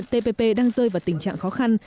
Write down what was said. tpp đang rơi vào tình trạng khó khăn